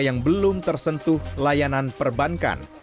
yang belum tersentuh layanan perbankan